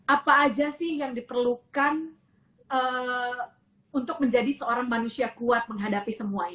apa aja sih yang diperlukan untuk menjadi seorang manusia kuat menghadapi semua ini